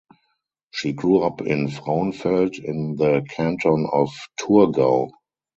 She grew up in Frauenfeld in the canton of Thurgau.